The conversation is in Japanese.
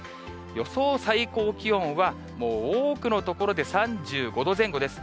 予想最高気温は、もう多くの所で３５度前後です。